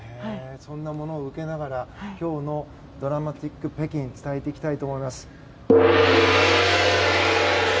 そんなものを受けながら今日の銅鑼マチック北京をお伝えしたいと思います。